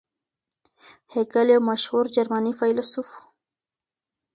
هیګل یو مشهور جرمني فیلسوف و.